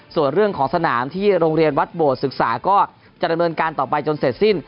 ส่วนเรื่องของสนามที่โรงเรียนวัดโบสศึกษาก็จะดำเนินการต่อไปจนเสร็จสิ้น